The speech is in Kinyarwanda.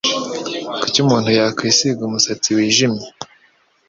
Kuki umuntu yakwisiga umusatsi wijimye?